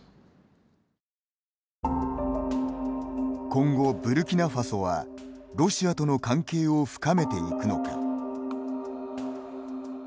今後、ブルキナファソはロシアとの関係を深めていくのか。